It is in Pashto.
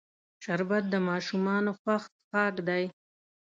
شربت د ماشومانو خوښ څښاک دی